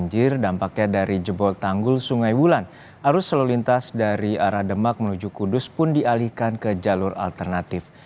untuk mengantisipasi kemacetan petugas mengalihkan kendaraan yang melintas dari arah demak menuju kudus dan sebaliknya ke jalur alternatif